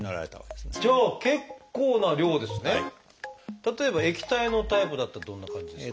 例えば液体のタイプだったらどんな感じですか？